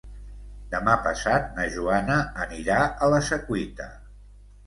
Demà passat na Joana anirà a la Secuita.